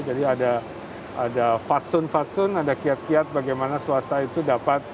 jadi ada fadsun fadsun ada kiat kiat bagaimana swasta itu dapat